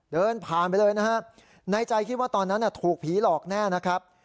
เดินผ่านไปเลยนะฮะในใจคิดว่าตอนนั้นถูกผีหลอกแน่นะครับ